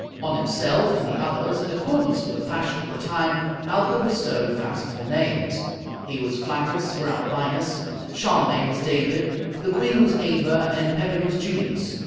On himself and the others, in accordance with the fashion of the time, Alcuin bestowed fanciful names. He was Flaccus or Albinus, Charlemagne was David, the queen was Ava, and Pepin was Julius.